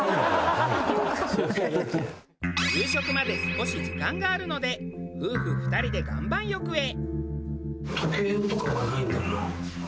夕食まで少し時間があるので夫婦２人で岩盤浴へ。